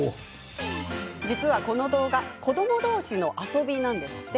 実は、この動画子ども同士の遊びなんですって。